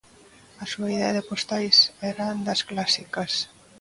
A súa idea de postais era das clásicas.